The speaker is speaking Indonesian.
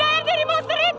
hai dari monster itu